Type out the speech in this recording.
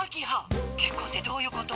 結婚ってどういうこと？